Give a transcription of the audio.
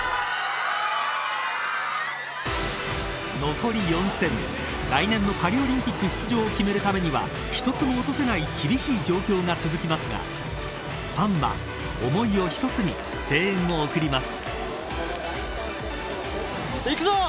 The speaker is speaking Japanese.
残り４戦来年のパリオリンピック出場を決めるためには一つも落とせない厳しい状況が続きますがファンは思いを一つに声援を送ります。